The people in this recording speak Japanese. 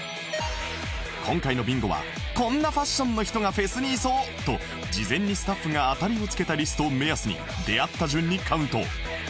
今回のビンゴはこんなファッションの人がフェスにいそうと事前にスタッフが当たりをつけたリストを目安に出会った順にカウント